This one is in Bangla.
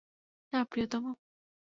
না, প্রিয়তম।